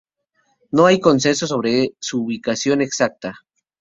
No hay consenso sobre su ubicación exacta.